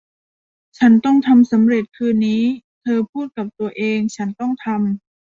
ฉันต้องทำสำเร็จคืนนี้ เธอพูดกับตัวเอง ฉันต้องทำ